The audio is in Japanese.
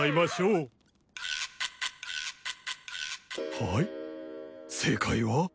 はい正解は。